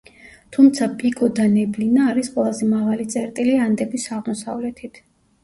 თუმცა პიკო-და-ნებლინა არის ყველაზე მაღალი წერტილი ანდების აღმოსავლეთით.